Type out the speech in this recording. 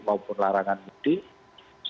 ataupun larangan mudik